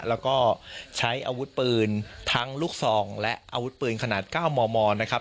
แล้วก็ใช้อาวุธปืนทั้งลูกซองและอาวุธปืนขนาด๙มมนะครับ